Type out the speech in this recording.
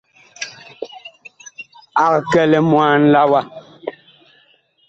Ag kɛ limwaan la wa.